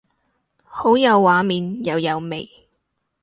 好有畫面又有味